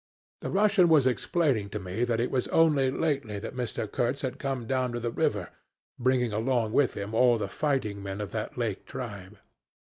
The Russian was explaining to me that it was only lately that Mr. Kurtz had come down to the river, bringing along with him all the fighting men of that lake tribe.